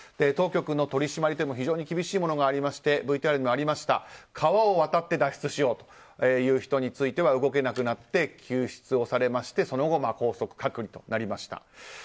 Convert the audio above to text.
当局の取り締まりも非常に厳しいものがありましてＶＴＲにもありました川を渡って脱出しようとした人は動けなくなって救出されましてその後、拘束、隔離となりました。